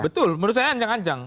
betul menurut saya ancang ancang